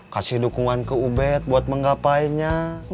kasih dukungan ke ubed buat menggapainya